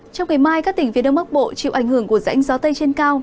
trong ngày mai các tỉnh phía đông bắc bộ chịu ảnh hưởng của rãnh gió tây trên cao